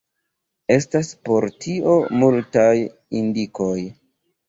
Estas por tio multaj indikoj.